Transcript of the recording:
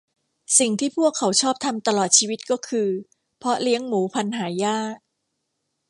สิ่งที่พวกเขาชอบทำตลอดชีวิตก็คือเพาะเลี้ยงหมูพันธุ์หายาก